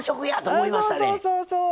そうそうそうそう。